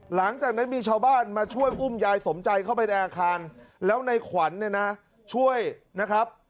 หลังจากนั้นมีชาวบ้านมาช่วยอุ้มยายสมใจเข้าไปในอาคารแล้วในขวัญเนี่ยนะช่วยนะครับ